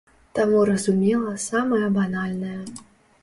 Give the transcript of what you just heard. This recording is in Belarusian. Таму разумела самае банальнае.